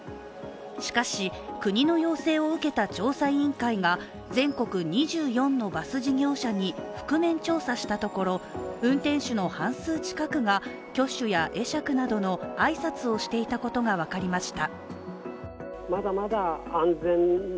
しかし国の要請を受けた調査委員会が全国２４のバス事業者に覆面調査したところ、運転手の半数近くが挙手や会釈などの挨拶をしていたことが分かりました。